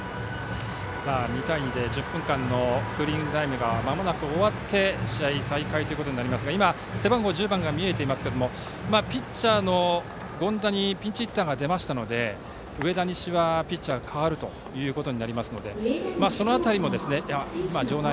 ２対２で１０分間のクーリングタイムがまもなく終わって試合再開となりますが今背番号１０番が見えていますがピッチャーの権田にピンチヒッターが出ましたので上田西はピッチャーが代わることになります。